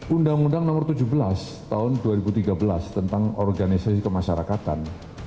undang undang nomor tujuh belas tahun dua ribu tiga belas tentang organisasi kemasyarakatan